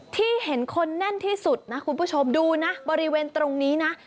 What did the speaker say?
ที่เห็นคนแน่นที่สุดนะคุณผู้ชมดูนะบริเวณตรงนี้นะ